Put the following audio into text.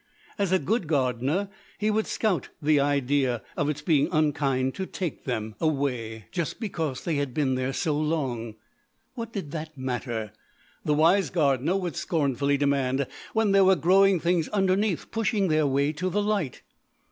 As a good gardener, he would scout the idea of its being unkind to take them away just because they had been there so long. What did that matter, the wise gardener would scornfully demand, when there were growing things underneath pushing their way to the light?